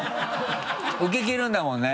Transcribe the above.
受けきるんだもんね。